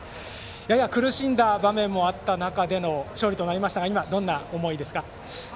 やや苦しんだ場面もあった中での勝利となりましたが今、どんな思いですか。